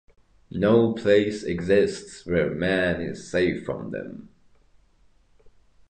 No place exists where man is safe from them.